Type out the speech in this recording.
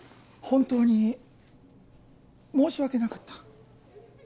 本当に申し訳なかった。